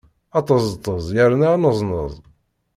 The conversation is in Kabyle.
Aṭeẓṭeẓ yerna aneẓneẓ.